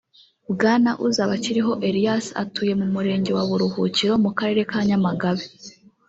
Bwana Uzabakiriho Elias atuye mu murenge wa Buruhukiro mu karere ka Nyamagabe